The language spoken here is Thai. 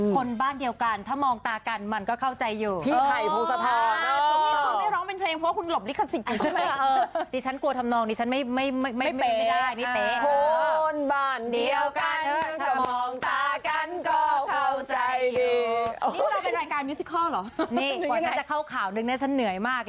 คนบ้านเดียวกันถ้ามองตากันมันก็เข้าใจอยู่